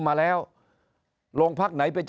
นายกรัฐมนตรีพูดเรื่องการปราบเด็กแว่น